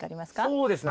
そうですね